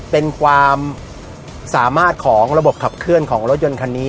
เป็นความสามารถของระบบขับเคลื่อนของรถยนต์คันนี้